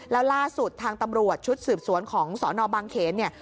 แล้วล่าสุดทางตำรวจชุดสืบสวนของสนบางเขนเนี่ย